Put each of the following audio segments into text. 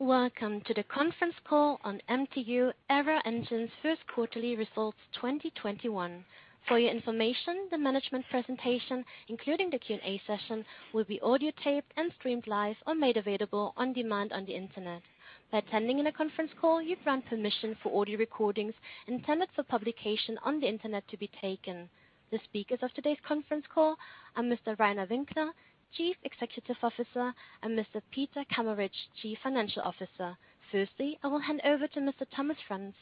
Welcome to the conference call on MTU Aero Engines first quarterly results 2021. For your information, the management presentation, including the Q&A session, will be audiotaped and streamed live or made available on demand on the Internet. By attending in a conference call, you grant permission for audio recordings intended for publication on the Internet to be taken. The speakers of today's conference call are Mr. Reiner Winkler, Chief Executive Officer, and Mr. Peter Kameritsch, Chief Financial Officer. Firstly, I will hand over to Mr. Thomas Franz,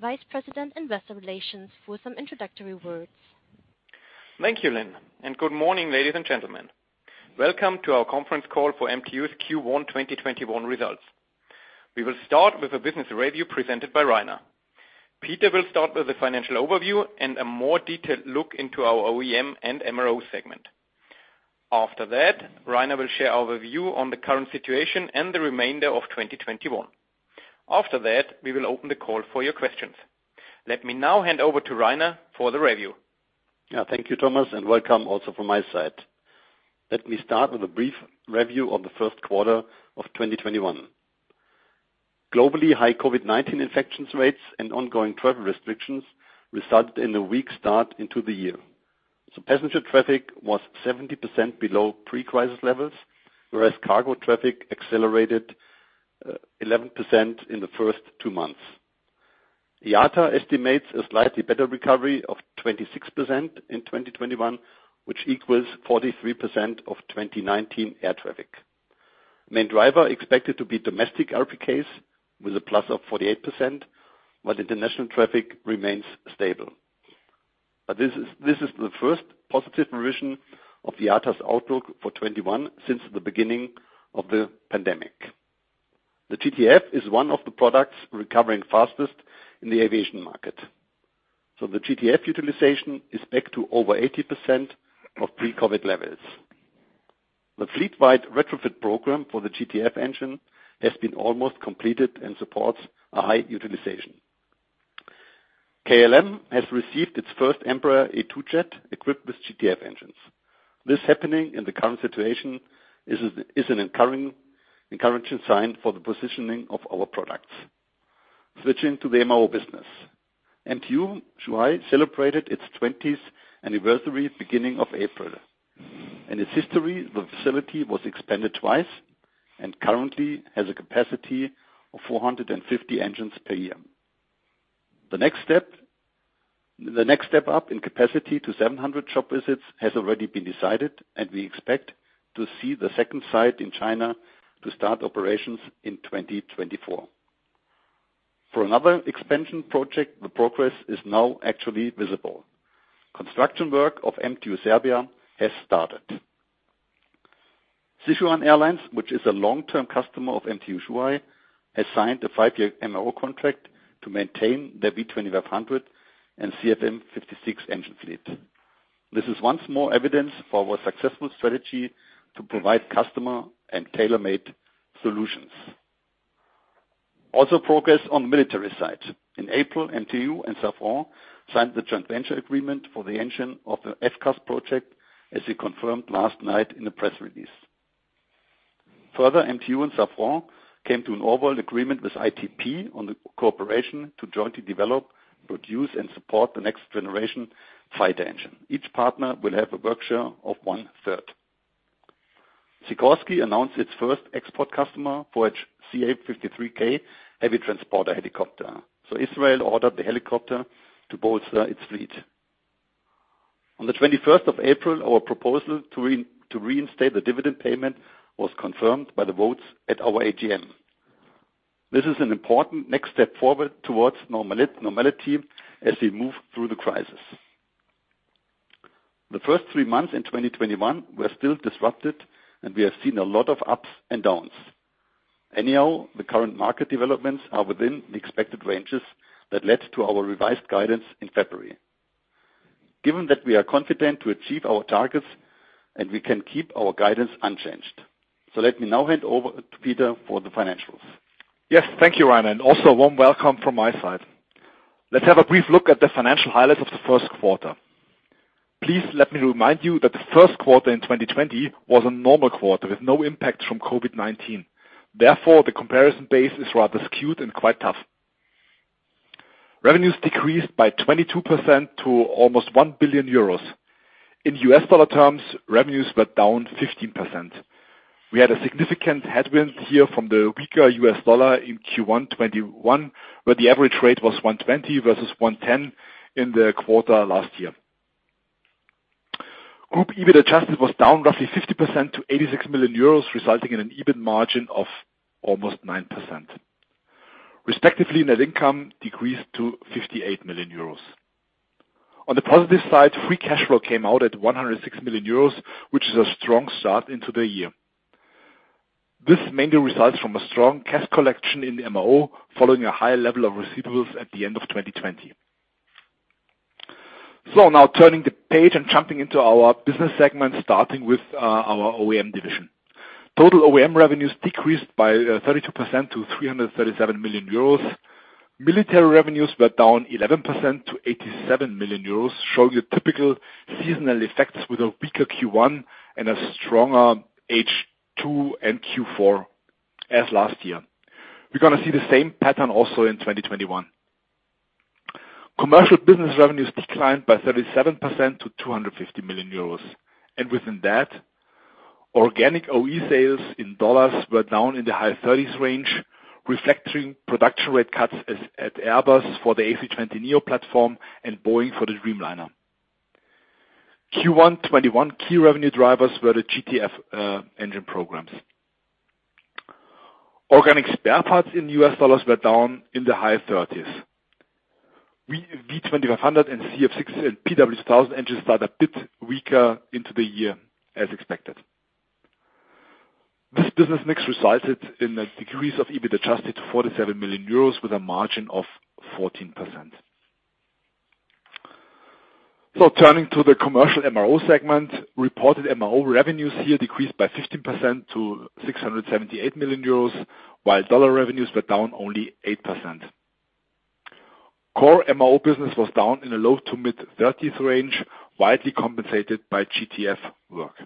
Vice President Investor Relations, for some introductory words. Thank you, Lynn, and good morning, ladies and gentlemen. Welcome to our conference call for MTU's Q1 2021 results. We will start with a business review presented by Reiner. Peter will start with a financial overview and a more detailed look into our OEM and MRO segment. After that, Reiner will share our view on the current situation and the remainder of 2021. After that, we will open the call for your questions. Let me now hand over to Reiner for the review. Yeah, thank you, Thomas, and welcome also from my side. Let me start with a brief review of the first quarter of 2021. Globally, high COVID-19 infections rates and ongoing travel restrictions resulted in a weak start into the year. Passenger traffic was 70% below pre-crisis levels, whereas cargo traffic accelerated 11% in the first two months. IATA estimates a slightly better recovery of 26% in 2021, which equals 43% of 2019 air traffic. Main driver expected to be domestic RPK with a plus of 48%, while international traffic remains stable. This is the first positive revision of IATA's outlook for 2021 since the beginning of the pandemic. The GTF is one of the products recovering fastest in the aviation market. The GTF utilization is back to over 80% of pre-COVID levels. The fleet-wide retrofit program for the GTF engine has been almost completed and supports a high utilization. KLM has received its first Embraer E2 jet equipped with GTF engines. This happening in the current situation is an encouraging sign for the positioning of our products. Switching to the MRO business. MTU Shanghai celebrated its 20th anniversary beginning of April. In its history, the facility was expanded twice and currently has a capacity of 450 engines per year. The next step up in capacity to 700 shop visits has already been decided, and we expect to see the second site in China to start operations in 2024. For another expansion project, the progress is actually visible. Construction work of MTU Serbia has started. Sichuan Airlines, which is a long-term customer of MTU Shanghai, has signed a five-year MRO contract to maintain their V2500 and CFM56 engine fleet. This is once more evidence for our successful strategy to provide customer and tailor-made solutions. Progress on the military side. In April, MTU and Safran signed the joint venture agreement for the engine of the FCAS project, as we confirmed last night in the press release. MTU and Safran came to an overall agreement with ITP on the cooperation to jointly develop, produce, and support the next generation fighter engine. Each partner will have a work share of 1/3. Sikorsky announced its first export customer for its CH-53K heavy transporter helicopter. Israel ordered the helicopter to bolster its fleet. On the 21st of April, our proposal to reinstate the dividend payment was confirmed by the votes at our AGM. This is an important next step forward towards normality as we move through the crisis. The first three months in 2021 were still disrupted, and we have seen a lot of ups and downs. The current market developments are within the expected ranges that led to our revised guidance in February. Given that we are confident to achieve our targets and we can keep our guidance unchanged. Let me now hand over to Peter for the financials. Yes. Thank you, Reiner, and also a warm welcome from my side. Let's have a brief look at the financial highlights of the first quarter. Please let me remind you that the first quarter in 2020 was a normal quarter with no impact from COVID-19. Therefore, the comparison base is rather skewed and quite tough. Revenues decreased by 22% to almost 1 billion euros. In U.S. dollar terms, revenues were down 15%. We had a significant headwind here from the weaker U.S. dollar in Q1 2021, where the average rate was $1.20 versus $1.10 in the quarter last year. Group EBIT adjusted was down roughly 50% to 86 million euros, resulting in an EBIT margin of almost 9%. Respectively net income decreased to 58 million euros. On the positive side, free cash flow came out at 106 million euros, which is a strong start into the year. This mainly results from a strong cash collection in the MRO, following a high level of receivables at the end of 2020. Now turning the page and jumping into our business segment, starting with our OEM division. Total OEM revenues decreased by 32% to 337 million euros. Military revenues were down 11% to 87 million euros, showing the typical seasonal effects with a weaker Q1 and a stronger H2 and Q4 as last year. We are going to see the same pattern also in 2021. Commercial business revenues declined by 37% to 250 million euros. Within that, organic OE sales in U.S. dollars were down in the high 30s% range, reflecting production rate cuts at Airbus for the A320neo platform and Boeing for the Dreamliner. Q1 2021 key revenue drivers were the GTF engine programs. Organic spare parts in U.S. dollars were down in the high 30s%. V2500 and CF6 and PW2000 engines started a bit weaker into the year, as expected. This business mix resulted in a decrease of EBIT adjusted to 47 million euros with a margin of 14%. Turning to the commercial MRO segment, reported MRO revenues here decreased by 15% to 678 million euros, while USD revenues were down only 8%. Core MRO business was down in the low to mid-30s% range, widely compensated by GTF work.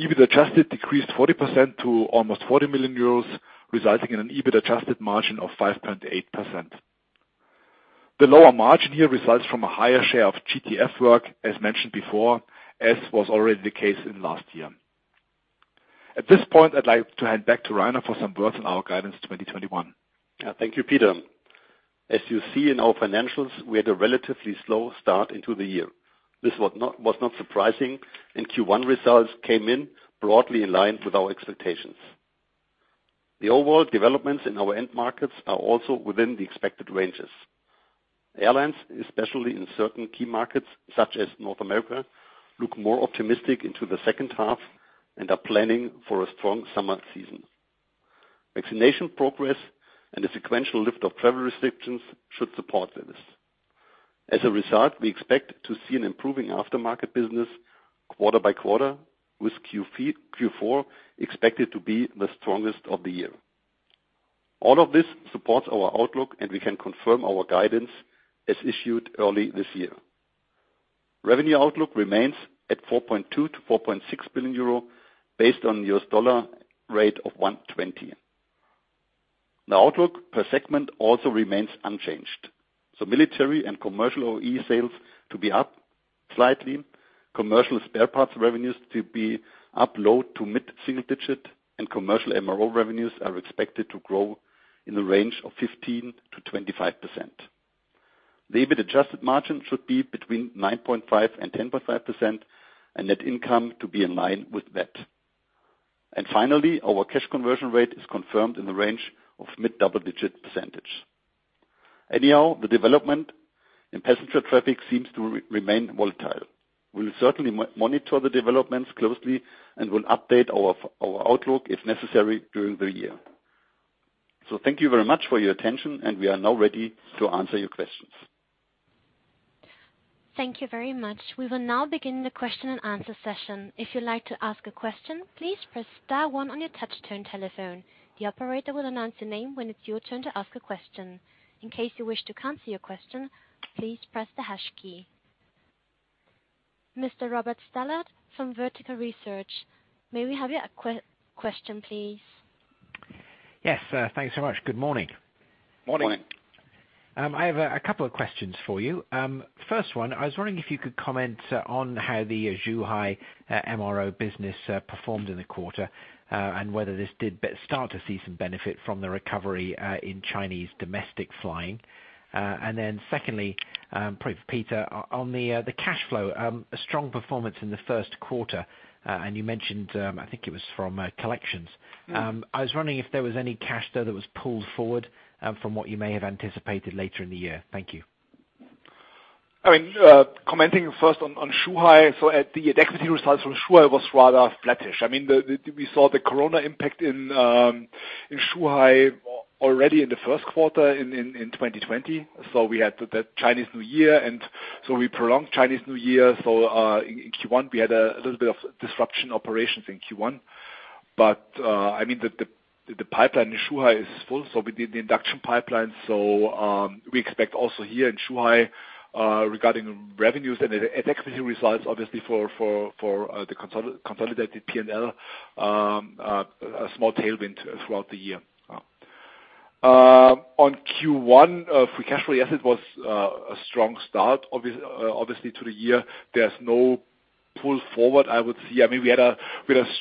EBIT adjusted decreased 40% to almost 40 million euros, resulting in an EBIT adjusted margin of 5.8%. The lower margin here results from a higher share of GTF work, as mentioned before, as was already the case in last year. At this point, I'd like to hand back to Reiner for some words on our guidance 2021. Thank you, Peter. As you see in our financials, we had a relatively slow start into the year. This was not surprising. Q1 results came in broadly in line with our expectations. The overall developments in our end markets are also within the expected ranges. Airlines, especially in certain key markets such as North America, look more optimistic into the second half and are planning for a strong summer season. Vaccination progress and the sequential lift of travel restrictions should support this. We expect to see an improving aftermarket business quarter by quarter, with Q4 expected to be the strongest of the year. All of this supports our outlook. We can confirm our guidance as issued early this year. Revenue outlook remains at 4.2 billion-4.6 billion euro, based on rate of $1.20. The outlook per segment also remains unchanged. Military and commercial OE sales to be up slightly, commercial spare parts revenues to be up low to mid-single digit, and commercial MRO revenues are expected to grow in the range of 15%-25%. The EBIT adjusted margin should be between 9.5% and 10.5%, and net income to be in line with that. Finally, our cash conversion rate is confirmed in the range of mid-double-digit percentage. Anyhow, the development in passenger traffic seems to remain volatile. We'll certainly monitor the developments closely and will update our outlook if necessary during the year. Thank you very much for your attention, and we are now ready to answer your questions. Thank you very much. We will now begin the question and answer session. If you'd like to ask a question, please press star one on your touch-tone telephone. The operator will announce your name when it's your turn to ask a question. In case you wish to cancel your question, please press the hash key. Mr. Robert Stallard from Vertical Research, may we have your question, please? Yes. Thanks so much. Good morning. Morning. Morning. I have a couple of questions for you. First one, I was wondering if you could comment on how the Zhuhai MRO business performed in the quarter, and whether this did start to see some benefit from the recovery in Chinese domestic flying. Then secondly, probably for Peter, on the cash flow, a strong performance in the first quarter, and you mentioned, I think it was from collections. I was wondering if there was any cash there that was pulled forward from what you may have anticipated later in the year. Thank you. Commenting first on Zhuhai. The activity results from Zhuhai was rather flattish. We saw the COVID-19 impact in Zhuhai already in the first quarter in 2020. We had the Chinese New Year, we prolonged Chinese New Year. In Q1, we had a little bit of disruption operations in Q1. The pipeline in Zhuhai is full, we did the induction pipeline. We expect also here in Zhuhai, regarding revenues and activity results, obviously for the consolidated P&L, a small tailwind throughout the year. On Q1, free cash flow, yes, it was a strong start, obviously, to the year. There's no pull forward I would see. We had a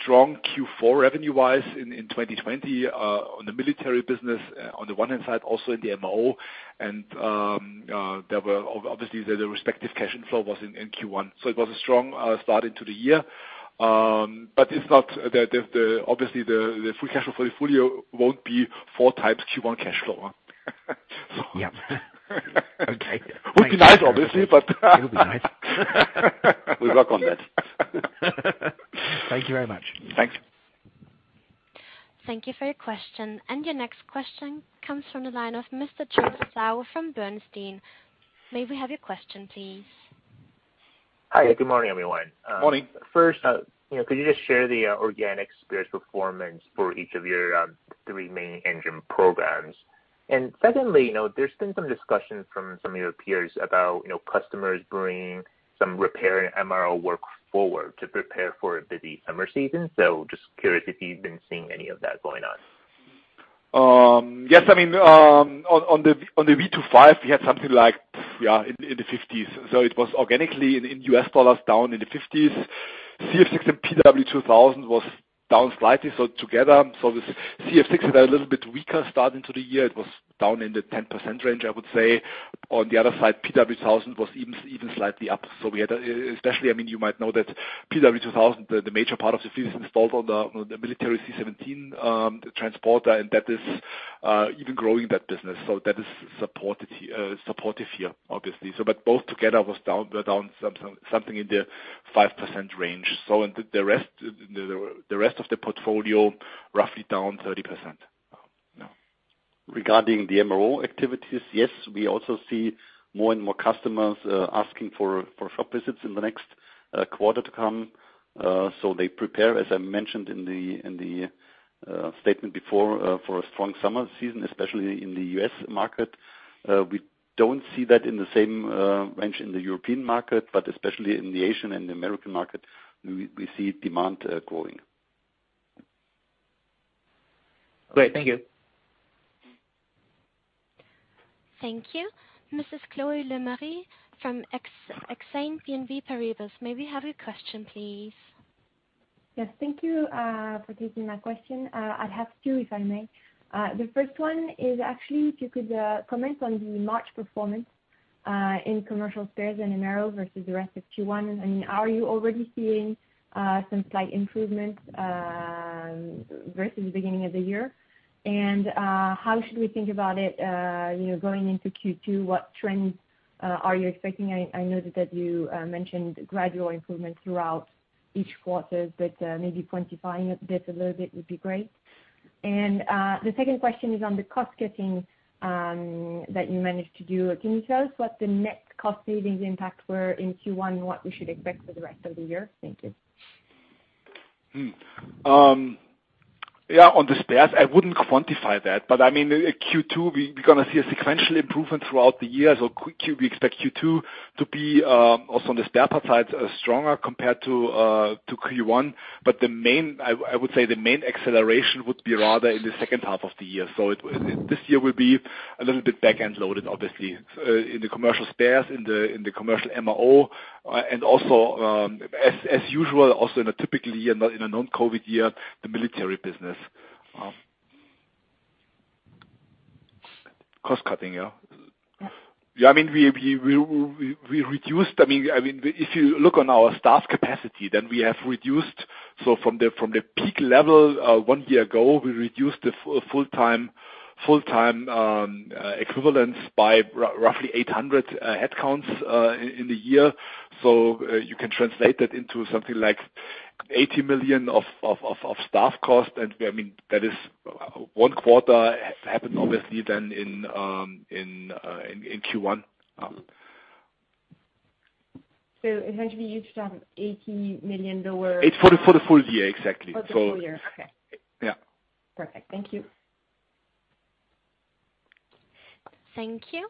strong Q4 revenue-wise in 2020 on the military business, on the one hand side, also in the MRO. Obviously, the respective cash inflow was in Q1. It was a strong start into the year. Obviously the free cash flow for the full year won't be four times Q1 cash flow. Yeah. Okay. Would be nice, obviously. It would be nice. We'll work on that. Thank you very much. Thanks. Thank you for your question. Your next question comes from the line of Mr. Charles Sauer from Bernstein. May we have your question, please? Hi, good morning, everyone. Morning. Could you just share the organic spares performance for each of your three main engine programs? Secondly, there's been some discussions from some of your peers about customers bringing some repair and MRO work forward to prepare for a busy summer season. Just curious if you've been seeing any of that going on. Yes. On the V2500, we had something like in the 50s. It was organically, in U.S. dollars, down in the 50s. CF6 and PW2000 was down slightly. Together, this CF6 had a little bit weaker start into the year. It was down in the 10% range, I would say. On the other side, PW2000 was even slightly up. Especially, you might know that PW2000, the major part of the fleet is installed on the military C-17 transporter, and that is even growing that business. That is supportive here, obviously. Both together were down something in the 5% range. The rest of the portfolio, roughly down 30%. Regarding the MRO activities, yes, we also see more and more customers asking for shop visits in the next quarter to come. They prepare, as I mentioned in the statement before, for a strong summer season, especially in the U.S. market. We don't see that in the same range in the European market, especially in the Asian and the American market, we see demand growing. Great. Thank you. Thank you. Mrs. Chloé Lemarié from Exane BNP Paribas, may we have a question, please? Yes. Thank you for taking my question. I have two, if I may. The first one is actually if you could comment on the March performance in commercial spares and MRO versus the rest of Q1. Are you already seeing some slight improvements versus the beginning of the year? How should we think about it going into Q2? What trends are you expecting? I know that you mentioned gradual improvement throughout each quarter, maybe quantifying it a little bit would be great. The second question is on the cost-cutting that you managed to do. Can you tell us what the net cost savings impact were in Q1 and what we should expect for the rest of the year? Thank you. Yeah. On the spares, I wouldn't quantify that. Q2, we're going to see a sequential improvement throughout the year. We expect Q2 to be, also on the spare parts side, stronger compared to Q1. I would say the main acceleration would be rather in the second half of the year. This year will be a little bit back-end loaded, obviously, in the commercial spares, in the commercial MRO, and also, as usual, also in a typical year, not in a non-COVID year, the military business. Cost-cutting, yeah. If you look on our staff capacity, we have reduced. From the peak level one year ago, we reduced the full-time equivalence by roughly 800 headcounts in the year. You can translate that into something like 80 million of staff cost. That is one quarter happened obviously then in Q1. Eventually you'd have 80 million lower? It's for the full year, exactly. For the full year. Okay. Yeah. Perfect. Thank you. Thank you.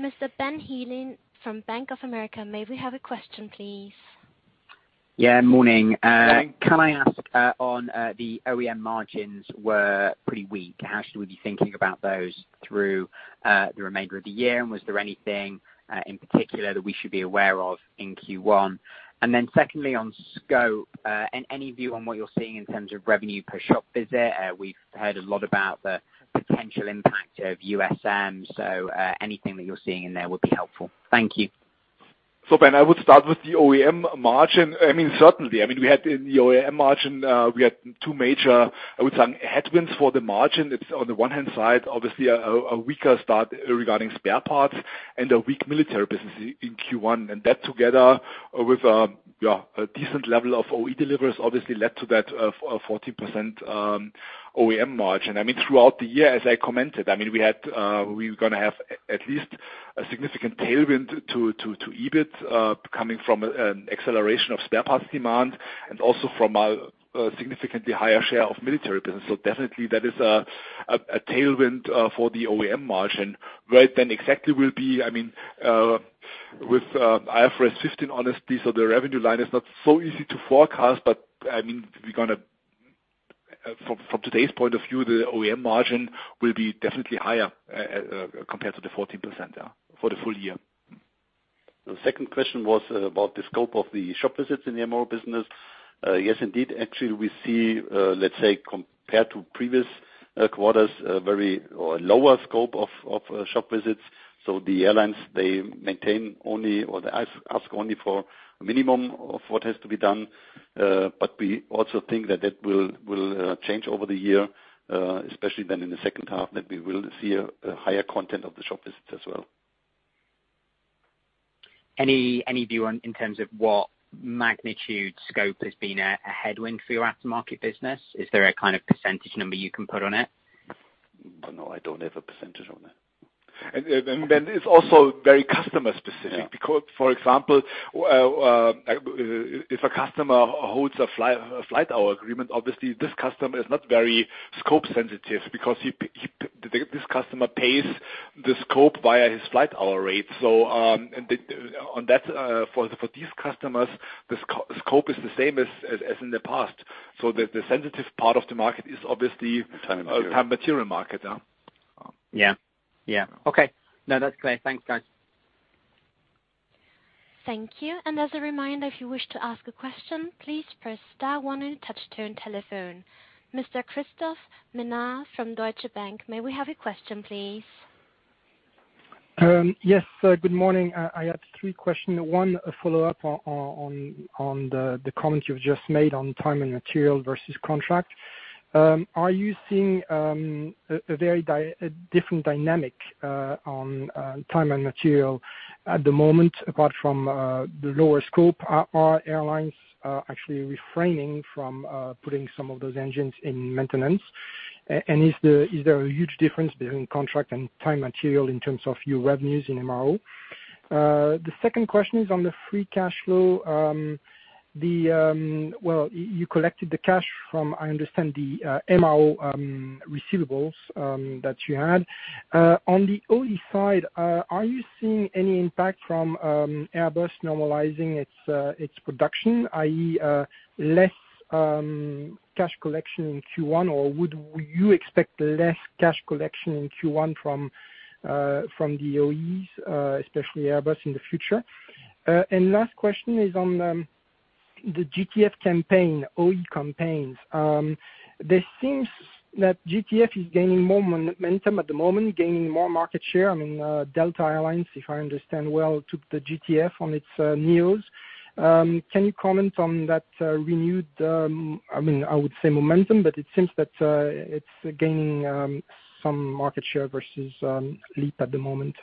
Mr. Benjamin Heelan from Bank of America, may we have a question, please? Yeah, morning. Morning. Can I ask on the OEM margins were pretty weak? How should we be thinking about those through the remainder of the year, and was there anything in particular that we should be aware of in Q1? Secondly, on scope, and any view on what you're seeing in terms of revenue per shop visit. We've heard a lot about the potential impact of USM, so anything that you're seeing in there would be helpful. Thank you. Ben, I would start with the OEM margin. Certainly. In the OEM margin, we had two major, I would say, headwinds for the margin. It's on the one hand side, obviously, a weaker start regarding spare parts and a weak military business in Q1. That together with a decent level of OE deliveries obviously led to that 14% OEM margin. Throughout the year, as I commented, we're going to have at least a significant tailwind to EBIT coming from an acceleration of spare parts demand and also from a significantly higher share of military business. Definitely that is a tailwind for the OEM margin. Where then exactly will be with IFRS 15, honestly, so the revenue line is not so easy to forecast, but from today's point of view, the OEM margin will be definitely higher compared to the 14%, yeah, for the full year. The second question was about the scope of the shop visits in the MRO business. Yes, indeed. Actually, we see, let's say, compared to previous quarters, a very lower scope of shop visits. The airlines, they maintain only, or they ask only for a minimum of what has to be done. We also think that that will change over the year, especially then in the second half, that we will see a higher content of the shop visits as well. Any view in terms of what magnitude scope has been a headwind for your aftermarket business? Is there a kind of percentage number you can put on it? Oh, no, I don't have a percentage on that. It's also very customer specific. Yeah. For example, if a customer holds a flight hour agreement, obviously this customer is not very scope sensitive because this customer pays the scope via his flight hour rate. For these customers, the scope is the same as in the past. The sensitive part of the market is obviously. Time and material. time material market. Yeah. Okay. No, that's clear. Thanks, guys. Thank you. As a reminder, if you wish to ask a question, please press star one on your touch-tone telephone. Mr. Christophe Menard from Deutsche Bank, may we have a question, please? Yes. Good morning. I have three questions. One, a follow-up on the comments you've just made on time and material versus contract. Are you seeing a very different dynamic on time and material at the moment, apart from the lower scope? Are airlines actually refraining from putting some of those engines in maintenance? Is there a huge difference between contract and time material in terms of your revenues in MRO? The second question is on the free cash flow. You collected the cash from, I understand, the MRO receivables that you had. On the OE side, are you seeing any impact from Airbus normalizing its production, i.e., less cash collection in Q1? Would you expect less cash collection in Q1 from the OEs, especially Airbus in the future? Last question is on the GTF campaign, OE campaigns. There seems that GTF is gaining more momentum at the moment, gaining more market share. I mean, Delta Air Lines, if I understand well, took the GTF on its neos. Can you comment on that renewed, I would say momentum, but it seems that it's gaining some market share versus LEAP at the moment.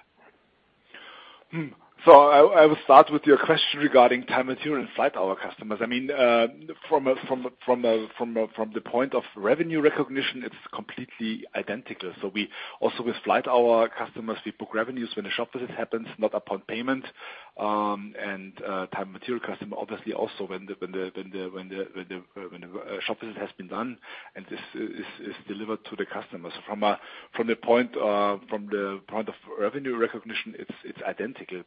I will start with your question regarding time material and flight hour customers. From the point of revenue recognition, it's completely identical. Also with flight hour customers, we book revenues when a shop visit happens, not upon payment. Time material customer, obviously also when the shop visit has been done, and this is delivered to the customer. From the point of revenue recognition, it's identical.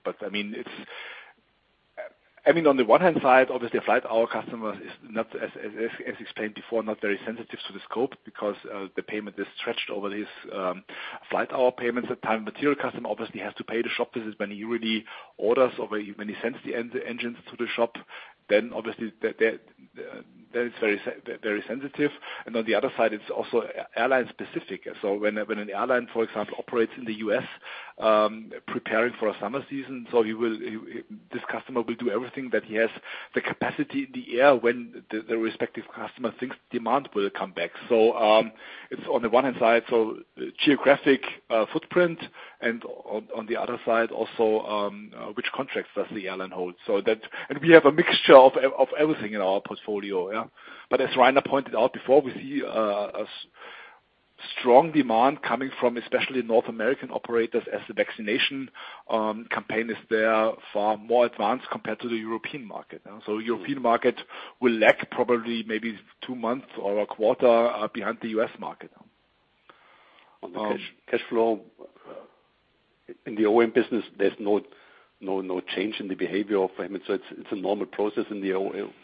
On the one hand side, obviously a flight hour customer is, as explained before, not very sensitive to the scope because the payment is stretched over his flight hour payments. A time material customer obviously has to pay the shop visit when he really orders or when he sends the engines to the shop. Obviously that is very sensitive. On the other side, it's also airline specific. When an airline, for example, operates in the U.S., preparing for a summer season, this customer will do everything that he has the capacity in the air when the respective customer thinks demand will come back. It is on the one hand side, geographic footprint and on the other side also, which contracts does the airline hold? We have a mixture of everything in our portfolio. As Reiner pointed out before, we see a strong demand coming from especially North American operators as the vaccination campaign is there, far more advanced compared to the European market. European market will lack probably maybe two months or a quarter behind the U.S. market. On the cash flow in the OEM business, there's no change in the behavior of payment. It's a normal process in the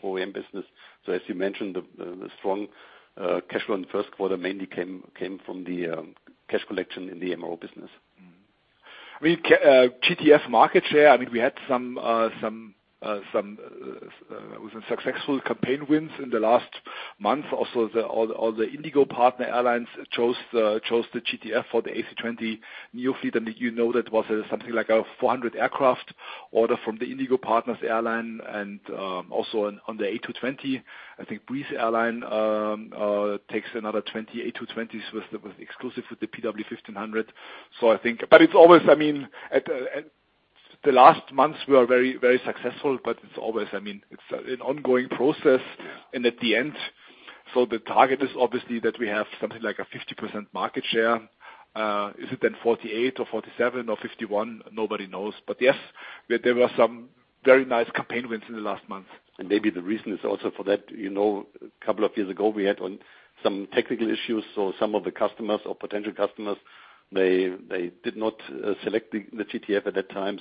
OEM business. As you mentioned, the strong cash flow in the first quarter mainly came from the cash collection in the MRO business. GTF market share, we had some successful campaign wins in the last month. All the Indigo Partners airlines chose the GTF for the A320neo fleet. You know that was something like a 400 aircraft order from the Indigo Partners airline and also on the A220. I think Breeze Airways takes another 20 A220s with exclusive with the PW1500. The last months we are very successful, but it's an ongoing process. At the end, the target is obviously that we have something like a 50% market share. Is it then 48% or 47% or 51%? Nobody knows. Yes, there were some very nice campaign wins in the last month. Maybe the reason is also for that, a couple of years ago, we had some technical issues. Some of the customers or potential customers, they did not select the GTF at that time.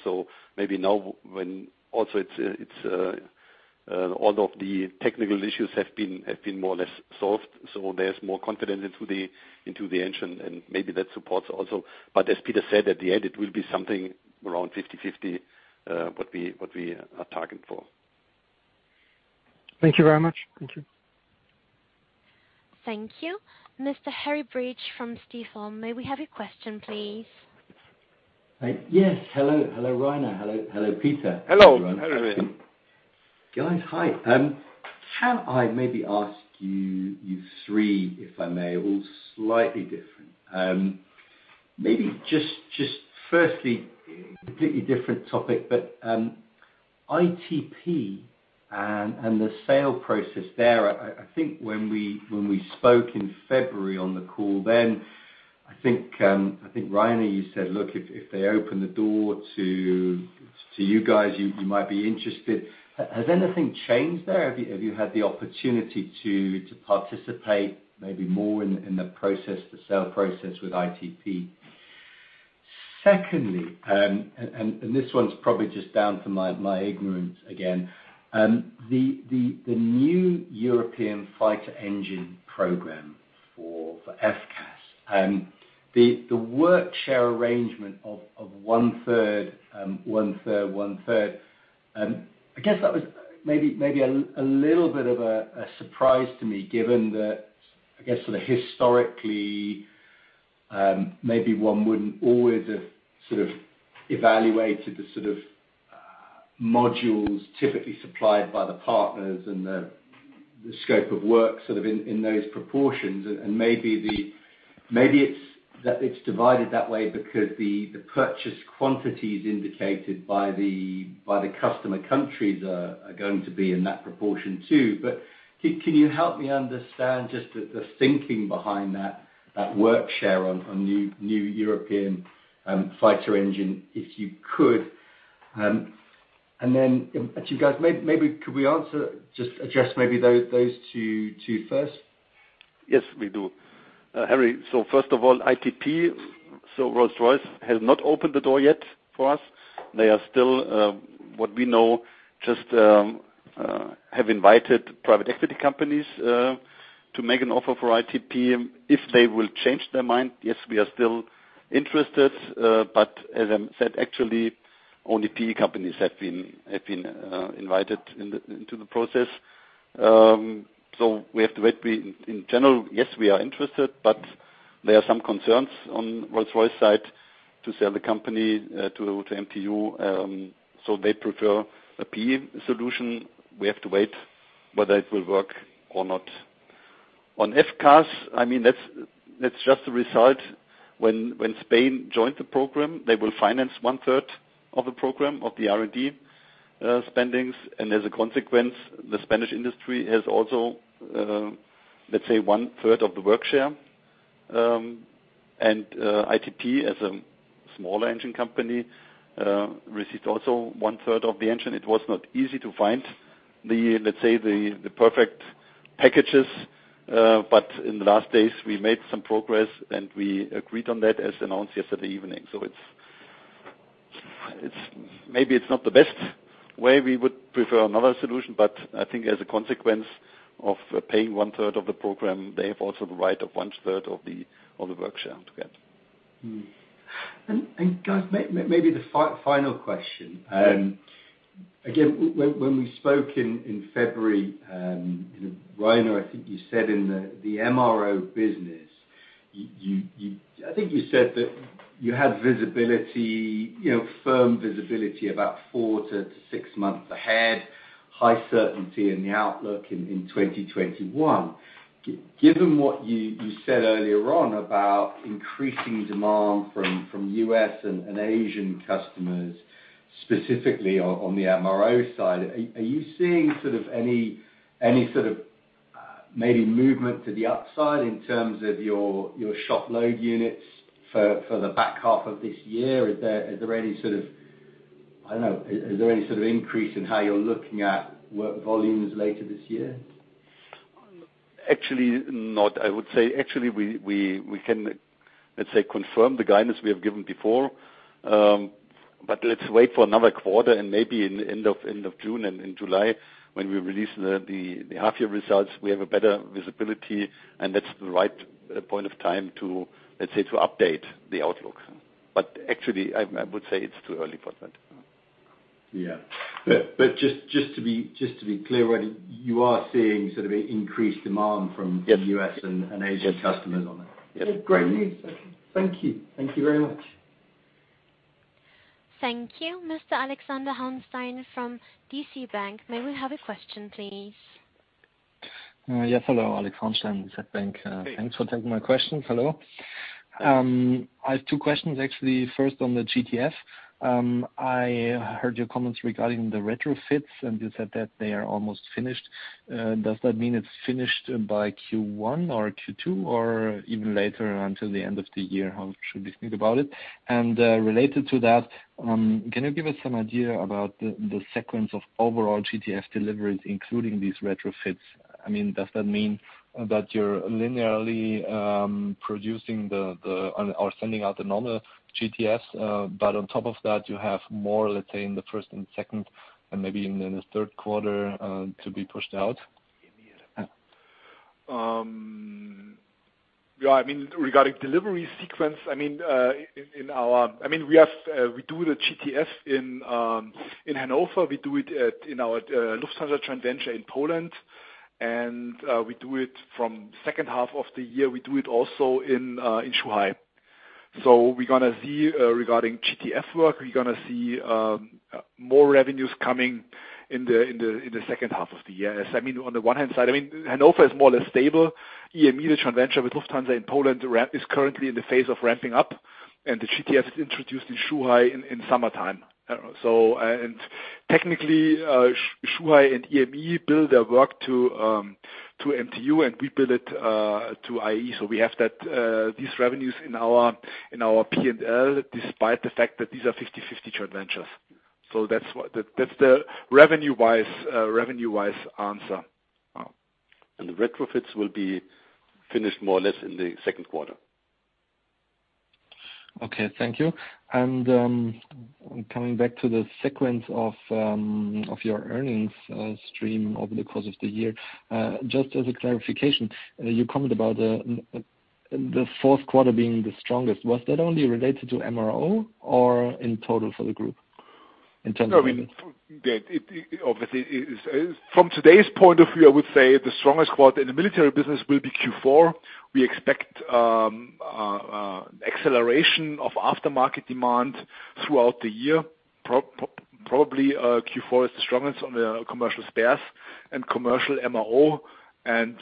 Maybe now when also all of the technical issues have been more or less solved, there's more confidence into the engine, and maybe that supports also. As Peter said, at the end, it will be something around 50/50, what we are targeting for. Thank you very much. Thank you. Thank you. Mr. Harry Bridge from Stifel, may we have a question, please? Yes. Hello, Reiner. Hello, Peter. Hello, Harry. Guys, hi. Can I maybe ask you three, if I may? All slightly different. Maybe just firstly, completely different topic. ITP and the sale process there, I think when we spoke in February on the call then, I think, Reiner, you said, "Look, if they open the door to you guys, you might be interested." Has anything changed there? Have you had the opportunity to participate maybe more in the sale process with ITP? Secondly, this one's probably just down to my ignorance again. The new European fighter engine program for FCAS. The work share arrangement of 1/3, 1/3, 1/3, I guess that was maybe a little bit of a surprise to me given that, I guess historically, maybe one wouldn't always have evaluated the sort of modules typically supplied by the partners and the scope of work in those proportions, and maybe it's divided that way because the purchase quantities indicated by the customer countries are going to be in that proportion too. Can you help me understand just the thinking behind that work share on new European fighter engine, if you could? Then actually, guys, maybe could we address those two first? Yes, we do. Harry, first of all, ITP, Rolls-Royce has not opened the door yet for us. They are still, what we know, just have invited private equity companies to make an offer for ITP. If they will change their mind, yes, we are still interested. As I said, actually only P/E companies have been invited into the process. We have to wait. In general, yes, we are interested, there are some concerns on Rolls-Royce side to sell the company to MTU. They prefer a P/E solution. We have to wait whether it will work or not. On FCAS, that's just a result when Spain joined the program, they will finance 1/3 of the program, of the R&D spendings. As a consequence, the Spanish industry has also, let's say, 1/3 of the work share. ITP, as a smaller engine company, received also 1/3 of the engine. It was not easy to find, let's say the perfect packages. In the last days, we made some progress and we agreed on that, as announced yesterday evening. Maybe it's not the best way. We would prefer another solution, but I think as a consequence of paying 1/3 of the program, they have also the right of 1/3 of the work share to get. Guys, maybe the final question. When we spoke in February, Reiner, I think you said in the MRO business, I think you said that you had visibility, firm visibility about four to six months ahead, high certainty in the outlook in 2021. Given what you said earlier on about increasing demand from U.S. and Asian customers, specifically on the MRO side, are you seeing any sort of maybe movement to the upside in terms of your shop load units for the back half of this year? Is there any sort of increase in how you're looking at work volumes later this year? Actually, not. I would say, actually, we can, let's say, confirm the guidance we have given before. Let's wait for another quarter and maybe in end of June and in July when we release the half-year results, we have a better visibility, and that's the right point of time to, let's say, to update the outlook. Actually, I would say it's too early for that. Yeah. Just to be clear, you are seeing sort of increased demand from- Yes U.S. and Asian customers on that. Yes. Great news. Thank you. Thank you very much. Thank you. Mr. Holger Horn from DZ Bank, may we have a question, please? Yes. Hello, Holger Horn, DZ Bank. Hey. Thanks for taking my question. Hello. I have two questions, actually. First on the GTF. I heard your comments regarding the retrofits, and you said that they are almost finished. Does that mean it's finished by Q1 or Q2 or even later until the end of the year? How should we think about it? Related to that, can you give us some idea about the sequence of overall GTF deliveries, including these retrofits? Does that mean that you're linearly producing or sending out the normal GTF, but on top of that, you have more, let's say, in the first and second and maybe even in the third quarter, to be pushed out? Regarding delivery sequence, we do the GTF in Hannover. We do it in our Lufthansa joint venture in Poland. We do it from second half of the year, we do it also in Zhuhai. We're going to see, regarding GTF work, we're going to see more revenues coming in the second half of the year. On the one hand side, Hannover is more or less stable. EME Aero, the joint venture with Lufthansa in Poland, is currently in the phase of ramping up. The GTF is introduced in Shanghai in summertime. Technically, Shanghai and EME bill their work to MTU and we bill it to IAE. We have these revenues in our P&L, despite the fact that these are 50/50 joint ventures. That's the revenue-wise answer. The retrofits will be finished more or less in the second quarter. Okay, thank you. Coming back to the sequence of your earnings stream over the course of the year. Just as a clarification, you commented about the fourth quarter being the strongest. Was that only related to MRO or in total for the group, in terms of earnings? Obviously, from today's point of view, I would say the strongest quarter in the military business will be Q4. We expect acceleration of aftermarket demand throughout the year. Probably Q4 is the strongest on the commercial spares and commercial MRO, and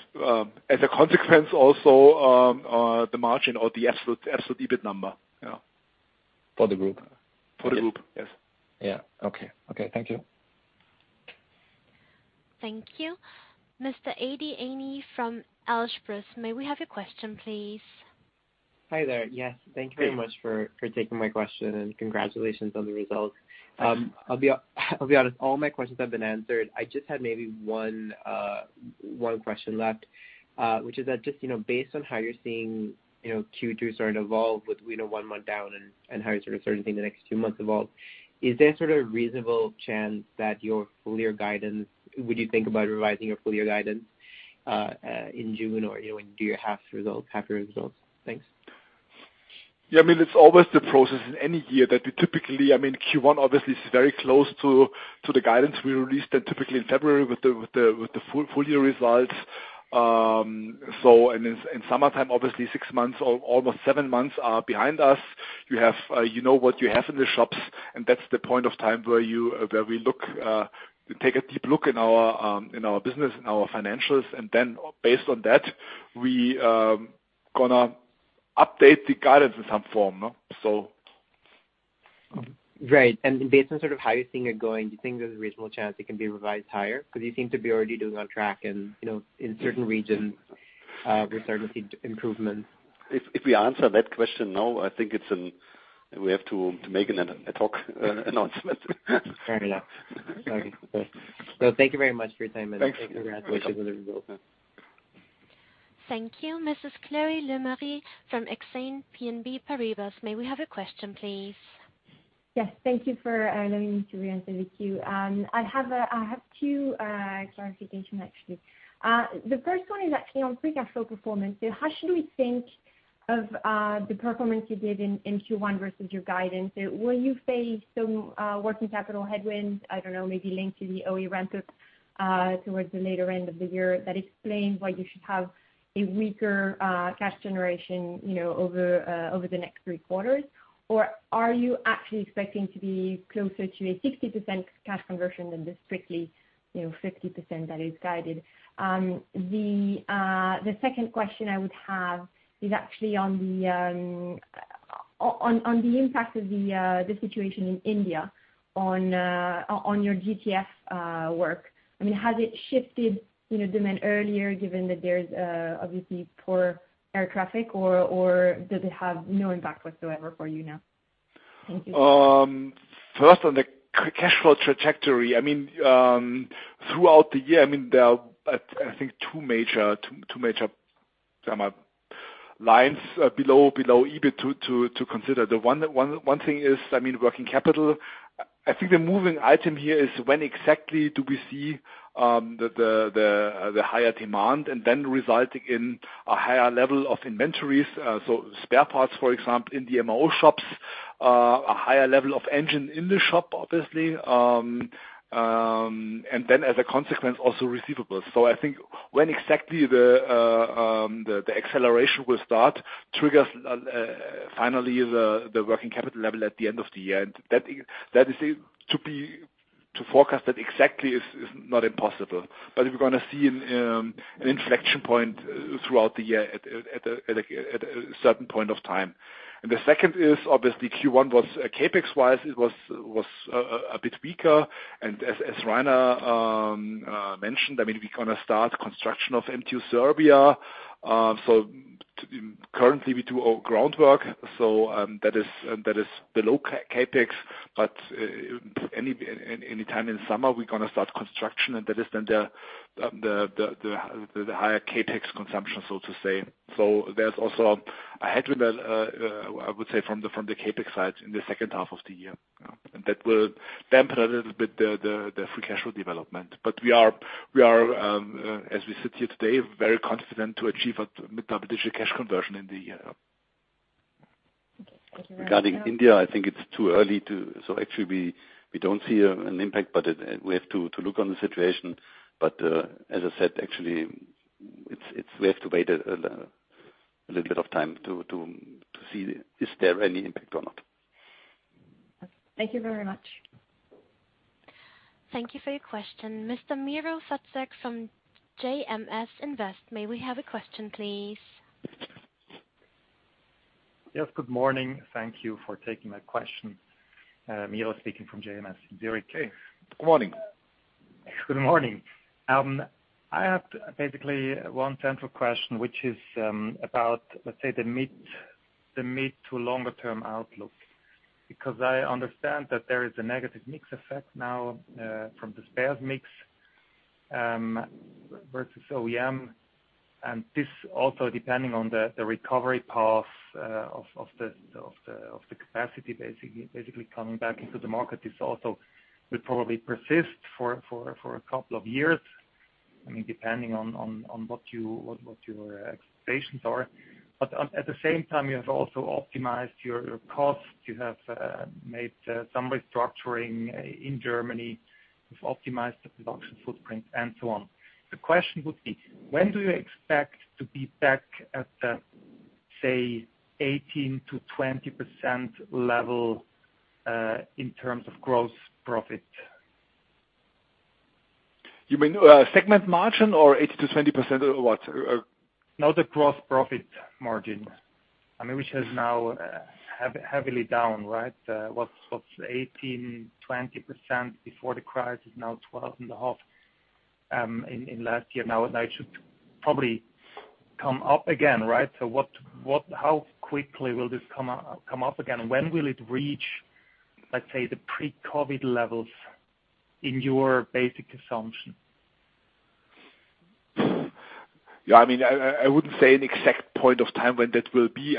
as a consequence, also the margin or the absolute EBIT number. Yeah. For the group? For the group, yes. Yeah. Okay. Thank you. Thank you. Mr. Adi Aini from Algebris, may we have your question, please? Hi there. Yes. Thank you very much for taking my question. Congratulations on the results. I'll be honest, all my questions have been answered. I just had maybe one question left, which is that just based on how you're seeing Q2 start to evolve with one month down and how you sort of start to see the next two months evolve, is there a reasonable chance that your full year guidance, would you think about revising your full year guidance in June or when you do your half year results? Thanks. Yeah, it's always the process in any year that we typically, Q1 obviously is very close to the guidance we released, and typically in February with the full year results. In summertime, obviously six months, almost seven months are behind us. You know what you have in the shops, and that's the point of time where we take a deep look in our business and our financials. Based on that, we going to update the guidance in some form. Right. Based on how you think you're going, do you think there's a reasonable chance it can be revised higher? Because you seem to be already doing on track and in certain regions, we're starting to see improvements. If we answer that question now, I think we have to make a ad hoc announcement. Fair enough. Okay, cool. Thank you very much for your time and congratulations on the results. Thanks. Thank you. Mrs. Chloé Lemarié from Exane BNP Paribas, may we have a question, please? Yes, thank you for allowing me to reintroduce with you. I have two clarification, actually. The first one is actually on free cash flow performance. How should we think of the performance you gave in Q1 versus your guidance? Will you face some working capital headwinds, I don't know, maybe linked to the OE ramp-up towards the later end of the year that explains why you should have a weaker cash generation over the next three quarters? Are you actually expecting to be closer to a 60% cash conversion than the strictly 50% that is guided? The second question I would have is actually on the impact of the situation in India on your GTF work. Has it shifted demand earlier given that there's obviously poor air traffic, or does it have no impact whatsoever for you now? Thank you. First, on the cash flow trajectory. Throughout the year, there are, I think two major lines below EBIT to consider. The one thing is working capital. I think the moving item here is when exactly do we see the higher demand and then resulting in a higher level of inventories. Spare parts, for example, in the MRO shops, a higher level of engine in the shop, obviously. As a consequence, also receivables. I think when exactly the acceleration will start triggers finally the working capital level at the end of the year. To forecast that exactly is not impossible. We're going to see an inflection point throughout the year at a certain point of time. The second is, obviously Q1 was, CapEx-wise, it was a bit weaker. As Reiner mentioned, we going to start construction of MTU Serbia. Currently, we do all groundwork. That is below CapEx. Anytime in summer, we're going to start construction, and that is then the higher CapEx consumption, so to say. There's also a headwind, I would say from the CapEx side in the second half of the year. That will dampen a little bit the free cash flow development. We are, as we sit here today, very confident to achieve a double-digit cash conversion in the year. Okay. Thank you very much. Regarding India, I think it's too early. Actually, we don't see an impact, but we have to look on the situation. As I said, actually, we have to wait a little bit of time to see, is there any impact or not. Thank you very much. Thank you for your question. Mr. Miro Zuzak from JMS Invest, may we have a question, please? Yes. Good morning. Thank you for taking my question. Miro speaking from JMS Invest. Good morning. Good morning. I have basically one central question, which is about, let's say, the mid to longer term outlook. I understand that there is a negative mix effect now from the spares mix, versus OEM, this also depending on the recovery path of the capacity basically coming back into the market. This also will probably persist for a couple of years, depending on what your expectations are. At the same time, you have also optimized your costs. You have made some restructuring in Germany. You've optimized the production footprint and so on. The question would be, when do you expect to be back at the, say, 18%-20% level, in terms of gross profit? You mean segment margin or 18%-20% what? No, the gross profit margin. Which is now heavily down, right? Was 18%, 20% before the crisis, now 12.5%, in last year. Now it should probably come up again, right? How quickly will this come up again? When will it reach, let's say, the pre-COVID levels in your basic assumption? Yeah, I wouldn't say an exact point of time when that will be,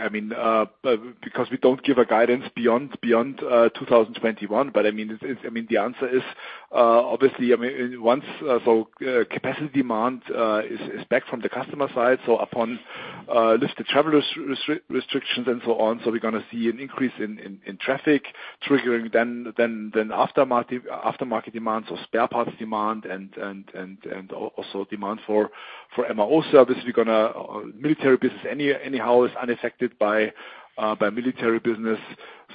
because we don't give a guidance beyond 2021. The answer is, obviously, capacity demand is back from the customer side, upon lifted travel restrictions and so on. We're going to see an increase in traffic triggering, aftermarket demand, spare parts demand and also demand for MRO service. Military business anyhow is unaffected by military business.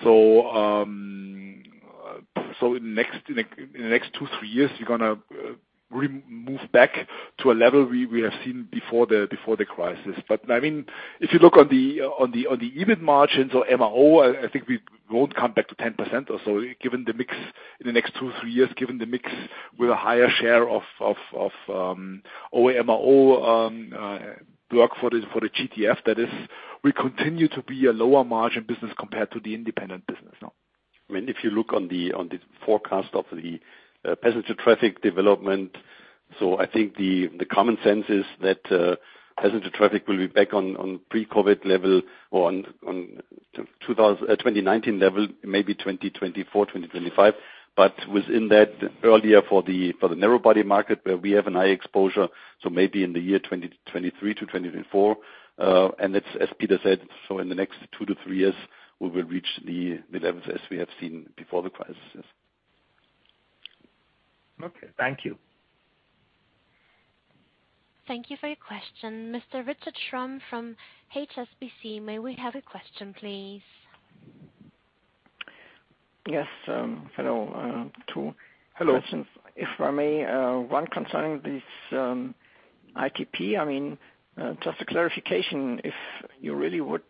In the next two, three years, we're going to move back to a level we have seen before the crisis. If you look on the EBIT margins or MRO, I think we won't come back to 10% or so given the mix in the next two, three years, given the mix with a higher share of OEM or work for the GTF, that is, we continue to be a lower margin business compared to the independent business now. If you look on the forecast of the passenger traffic development, I think the common sense is that passenger traffic will be back on pre-COVID-19 level or on 2019 level, maybe 2024, 2025. Within that, earlier for the narrow body market where we have an high exposure, maybe in the year 2023 to 2024. It's as Peter said, in the next two to three years, we will reach the levels as we have seen before the crisis. Yes. Okay. Thank you. Thank you for your question. Mr. Richard Schramm from HSBC, may we have a question, please? Yes. Hello. Hello. Two questions, if I may. One concerning this ITP. Just a clarification, if you really would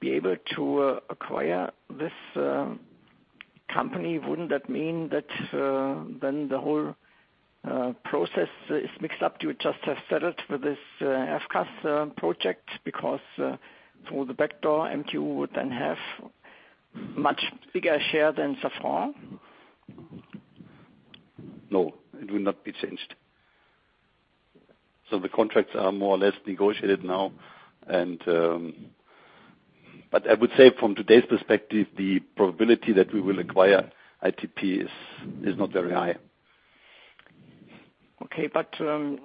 be able to acquire this company, wouldn't that mean that the whole process is mixed up? You would just have settled for this FCAS project because, through the backdoor, MTU would then have much bigger share than before? No, it will not be changed. The contracts are more or less negotiated now. I would say from today's perspective, the probability that we will acquire ITP is not very high. Okay.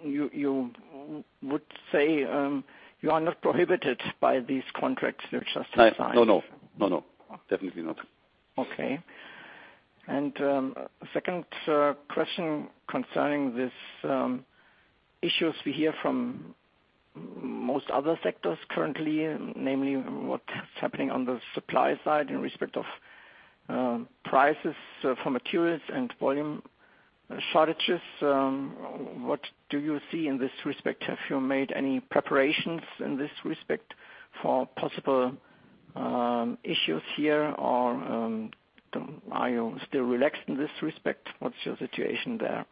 You would say you are not prohibited by these contracts you just signed? No. Definitely not. Okay. Second question concerning this issues we hear from most other sectors currently, namely what's happening on the supply side in respect of prices for materials and volume shortages. What do you see in this respect? Have you made any preparations in this respect for possible issues here, or are you still relaxed in this respect? What's your situation there?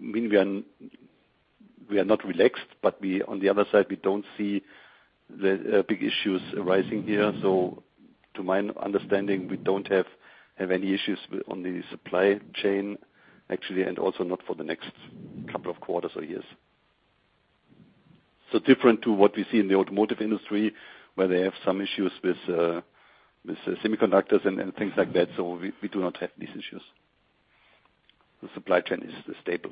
We are not relaxed. On the other side, we don't see the big issues arising here. To my understanding, we don't have any issues on the supply chain, actually, and also not for the next couple of quarters or years. Different to what we see in the automotive industry, where they have some issues with semiconductors and things like that. We do not have these issues. The supply chain is stable.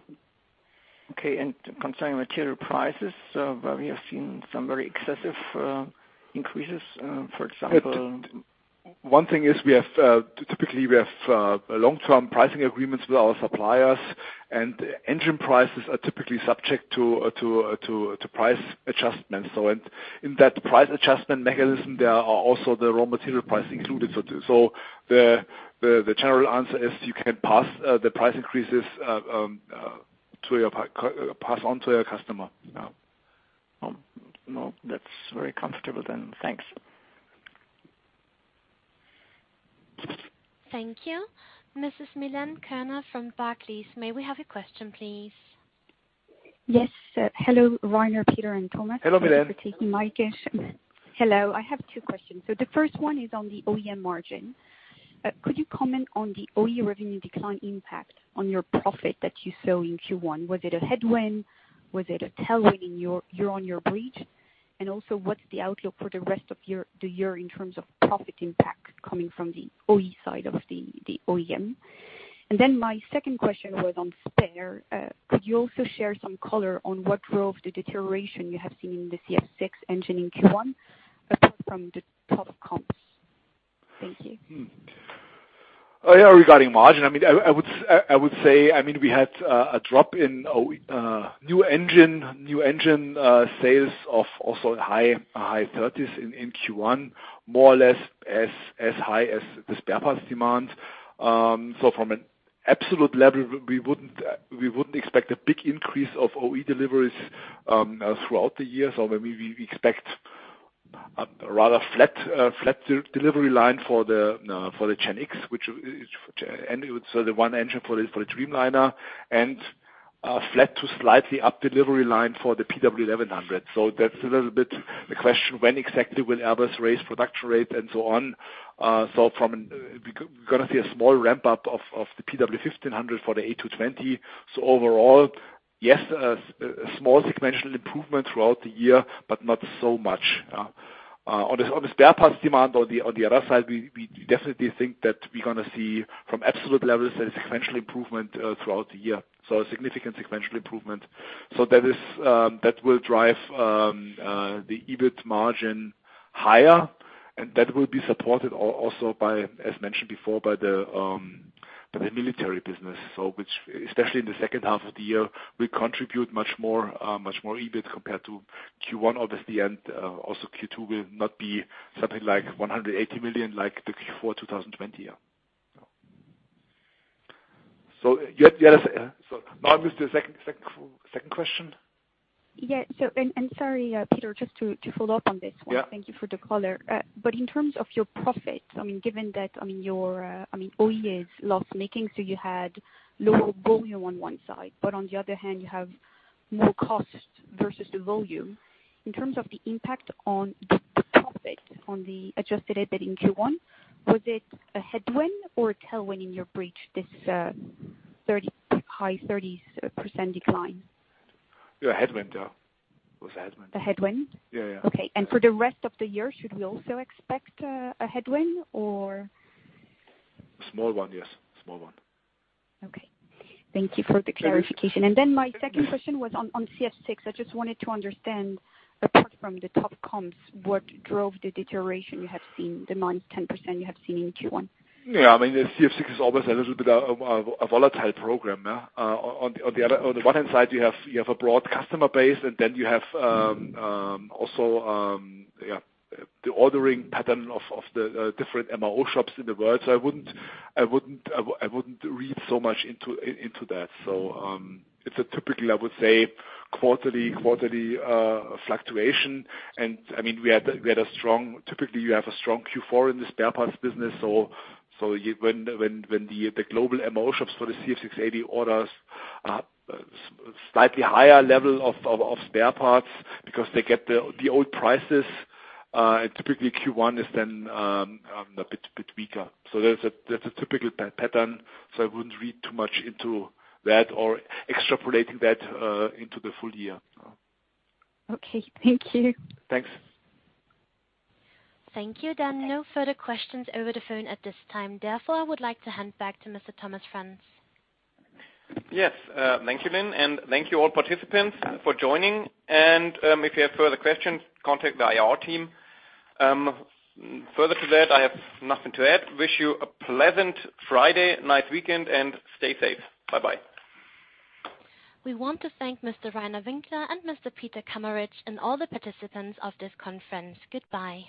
Okay. Concerning material prices, where we have seen some very excessive increases, for example- One thing is, typically we have long-term pricing agreements with our suppliers. Engine prices are typically subject to price adjustments. In that price adjustment mechanism, there are also the raw material price included. The general answer is you can pass the price increases on to your customer. No, that's very comfortable then. Thanks. Thank you. Mrs. Milène Kerner from Barclays, may we have a question, please? Yes. Hello, Reiner, Peter, and Thomas. Hello, Milène. Thank you for taking my question. Hello. I have two questions. The first one is on the OEM margin. Could you comment on the OE revenue decline impact on your profit that you saw in Q1? Was it a headwind? Was it a tailwind in your year-on-year bridge? Also, what's the outlook for the rest of the year in terms of profit impact coming from the OE side of the OEM? My second question was on spare. Could you also share some color on what drove the deterioration you have seen in the CF6 engine in Q1 apart from the tough comps? Thank you. Yeah. Regarding margin, I would say, we had a drop in new engine sales of also high 30s% in Q1, more or less as high as the spare parts demand. From an absolute level, we wouldn't expect a big increase of OE deliveries throughout the year. We expect a rather flat delivery line for the GEnx, the one engine for the Dreamliner, and a flat to slightly up delivery line for the PW1100. That's a little bit the question, when exactly will Airbus raise production rate and so on? We're going to see a small ramp-up of the PW1500 for the A220. Overall, yes, a small sequential improvement throughout the year, but not so much. On the spare parts demand on the other side, we definitely think that we're going to see, from absolute levels, a sequential improvement throughout the year. A significant sequential improvement. That will drive the EBIT margin higher, and that will be supported also by, as mentioned before, the military business. Which, especially in the second half of the year, will contribute much more EBIT compared to Q1, obviously, and also Q2 will not be something like 180 million like the Q4 2020 year. With the second question. Yeah. Sorry, Peter, just to follow up on this one. Yeah. Thank you for the color. In terms of your profit, given that OE is loss-making, so you had lower volume on one side, but on the other hand, you have more cost versus the volume. In terms of the impact on the profit on the adjusted EBIT in Q1, was it a headwind or a tailwind in your bridge, this high 30s% decline? Yeah, a headwind. A headwind? Yeah. Okay. For the rest of the year, should we also expect a headwind or? A small one, yes. A small one. Okay. Thank you for the clarification. My second question was on CF6. I just wanted to understand, apart from the tough comps, what drove the deterioration you have seen, the minus 10% you have seen in Q1? Yeah, the CF6 is always a little bit of a volatile program. On the one hand side, you have a broad customer base, and then you have also the ordering pattern of the different MRO shops in the world. I wouldn't read so much into that. It's a typical, I would say, quarterly fluctuation. Typically, you have a strong Q4 in the spare parts business. When the global MRO shops for the CF6-80 orders slightly higher level of spare parts because they get the old prices, and typically Q1 is then a bit weaker. That's a typical pattern, so I wouldn't read too much into that or extrapolating that into the full year. Okay. Thank you. Thanks. Thank you. There are no further questions over the phone at this time. Therefore, I would like to hand back to Mr. Thomas Franz. Yes. Thank you, Lynn. Thank you all participants for joining. If you have further questions, contact the IR team. Further to that, I have nothing to add. Wish you a pleasant Friday night weekend, and stay safe. Bye-bye. We want to thank Mr. Reiner Winkler and Mr. Peter Kameritsch, and all the participants of this conference. Goodbye.